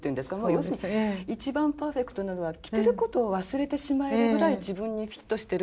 要するに一番パーフェクトなのは着てることを忘れてしまえるぐらい自分にフィットしてる。